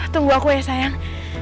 tunggu aku ya sayang